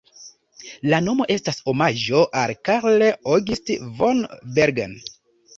La nomo estas omaĝo al Karl August von Bergen.